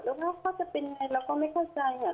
รู้ว่าเขาจะเป็นยังไงเราก็ไม่เข้าใจ